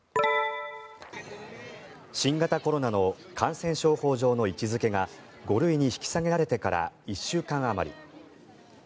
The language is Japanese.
新型コロナの感染症法上の位置付けが５類に引き下げられてから１週間あまり。